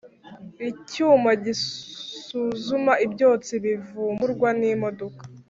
Icyuma gisuzuma ibyotsi bivuburwa n’imodoka.